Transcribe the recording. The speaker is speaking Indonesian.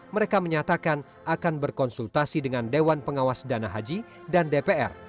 mereka menyatakan akan berkonsultasi dengan dewan pengawas dana haji dan dpr